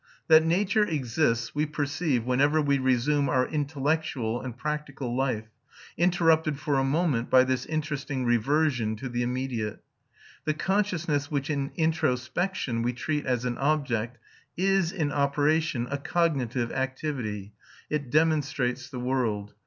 That nature exists we perceive whenever we resume our intellectual and practical life, interrupted for a moment by this interesting reversion to the immediate. The consciousness which in introspection we treat as an object is, in operation, a cognitive activity: it demonstrates the world.